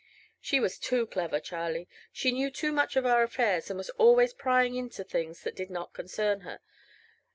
"She was too clever, Charlie. She knew too much of our affairs, and was always prying into things that did not concern her.